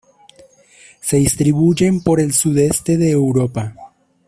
Se distribuyen por el sudeste de Europa.